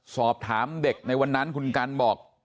สอบถามเด็กในวันนั้นคุณกันบอก